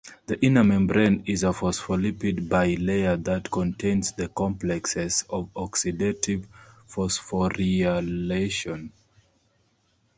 The inner membrane is a phospholipid bilayer that contains the complexes of oxidative phosphorylation.